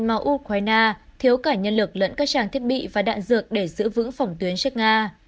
mà ukraine thiếu cả nhân lực lẫn các trang thiết bị và đạn dược để giữ vững phòng tuyến trước nga